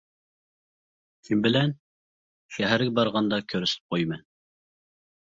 -كىم بىلەن؟ -شەھەرگە بارغاندا كۆرسىتىپ قويىمەن.